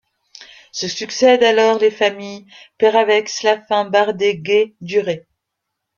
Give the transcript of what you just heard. Se succèdent alors les familles Perravex, Laffin, Bardet, Gay, Duret.